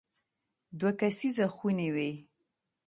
دوه کسیزه خونې وې.